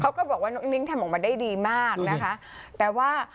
ก็บอกว่าน้องนิ้งทำออกมาได้ดีมากนะคะแต่ว่า